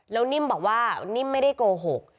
แล้วนิ่มบอกว่านิ่มไม่ได้โกหก